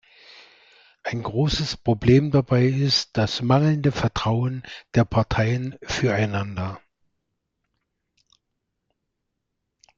Ein großes Problem dabei ist das mangelnde Vertrauen der Parteien füreinander.